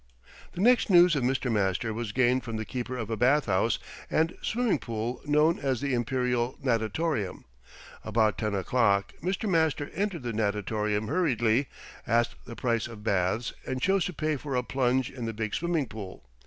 The next news of Mr. Master was gained from the keeper of a bath house and swimming pool known as the Imperial Natatorium. About ten o'clock, Mr. Master entered the Natatorium hurriedly, asked the price of baths, and chose to pay for a plunge in the big swimming pool.